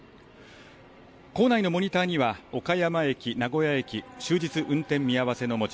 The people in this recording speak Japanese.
構内のモニターには、岡山駅、名古屋駅、終日運転見合わせの文字。